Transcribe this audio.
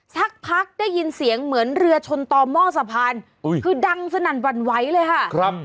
สักพักได้ยินเสียงเหมือนเรือชนต่อหม้อสะพานคือดังสนั่นหวั่นไหวเลยค่ะครับ